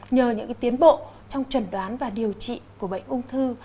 nhờ những tiến bộ trong trần đoán và điều trị của bệnh ung thư